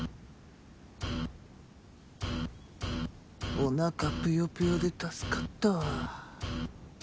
おなかぷよぷよで助かったわ。